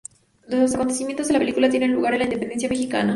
Los acontecimientos de la película tienen lugar en La Independencia mexicana.